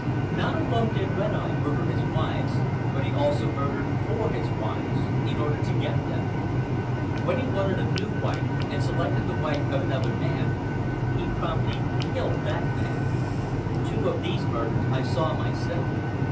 Not alone did Red Eye murder his wives, but he also murdered for his wives, in order to get them. When he wanted a new wife and selected the wife of another man, he promptly killed that man. Two of these murders I saw myself.